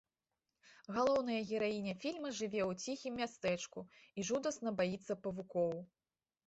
Галоўная гераіня фільма жыве ў ціхім мястэчку і жудасна баіцца павукоў.